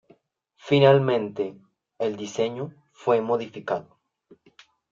Finalmente, el diseño fue modificado.